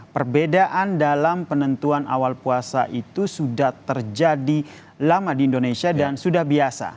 perbedaan dalam penentuan awal puasa itu sudah terjadi lama di indonesia dan sudah biasa